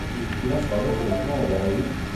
Qui va ser el deixeble d'Èurit?